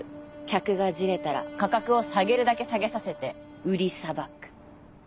客がじれたら価格を下げるだけ下げさせて売りさばく。